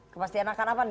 kepastian akan apa nih